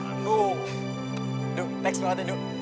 aduh du thanks banget ya du